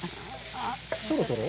そろそろ？